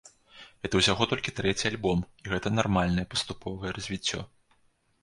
Гэта ўсяго толькі трэці альбом, і гэта нармальнае паступовае развіццё.